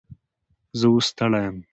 زه اوس ستړی یم